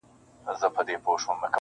چي ستاینه د مجنون د زنځیر نه وي,